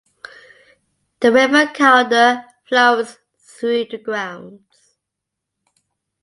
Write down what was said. The River Calder flows through the grounds.